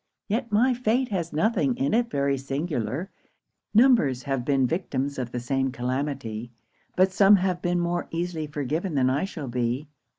Yet my fate has nothing in it very singular; numbers have been victims of the same calamity, but some have been more easily forgiven than I shall be.